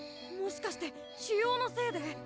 もしかして腫瘍のせいで？